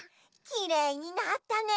きれいになったね！